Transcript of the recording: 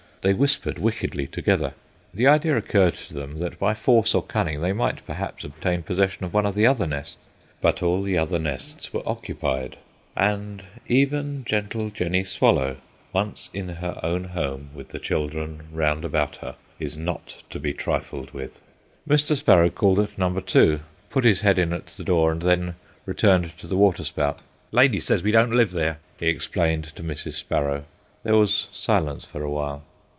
They whispered wickedly together. The idea occurred to them that by force or cunning they might perhaps obtain possession of one of the other nests. But all the other nests were occupied, and even gentle Jenny Swallow, once in her own home with the children round about her, is not to be trifled with. Mr. Sparrow called at number two, put his head in at the door, and then returned to the waterspout. "Lady says we don't live there," he explained to Mrs. Sparrow. There was silence for a while.